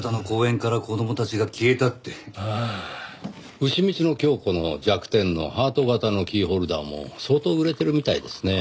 うしみつのキョウコの弱点のハート形のキーホルダーも相当売れてるみたいですねぇ。